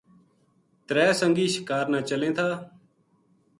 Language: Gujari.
ترے سنگی شِکار نا چلیں تھا